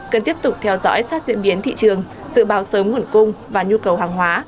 cần tiếp tục theo dõi sát diễn biến thị trường dự báo sớm nguồn cung và nhu cầu hàng hóa